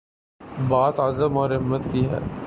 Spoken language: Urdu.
بات عزم اور ہمت کی ہے۔